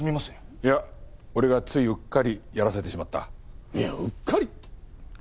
いや俺がついうっかりやらせてしまった。いやうっかりって。